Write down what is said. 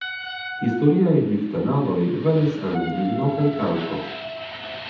Historiaj vivtenadoj venis el ligno kaj kalko.